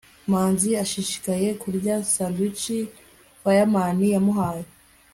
manzi ashishikaye kurya sandwich fireman yamuhaye